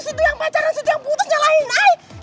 situ yang pacaran situ yang putus nyalahin eh